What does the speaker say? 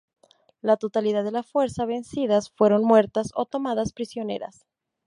La totalidad de las fuerzas vencidas fueron muertas o tomadas prisioneras.